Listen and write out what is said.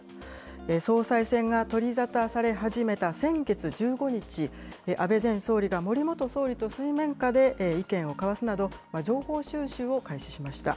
総裁選が取り沙汰され始めた先月１５日、安倍前総理が森元総理と水面下で意見を交わすなど、情報収集を開始しました。